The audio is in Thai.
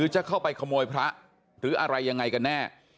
จะเข้าไปขโมยพระหรืออะไรยังไงกันแน่